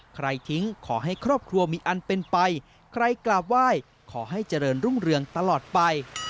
ทิ้งขอให้ครอบครัวมีอันเป็นไปใครกราบไหว้ขอให้เจริญรุ่งเรืองตลอดไป